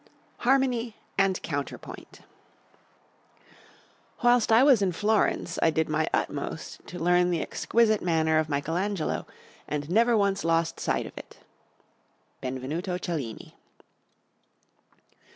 HARMONY AND COUNTERPOINT. "Whilst I was in Florence, I did my utmost to learn the exquisite manner of Michaelangelo, and never once lost sight of it." _Benvenuto Cellini.